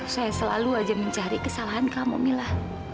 saya selalu aja mencari kesalahan kamu mila